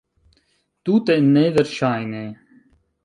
Tute neverŝajne!